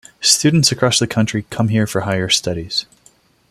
Students across the country come here for higher studies.